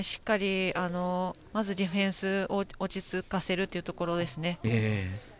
まずディフェンスを落ち着かせるというところです。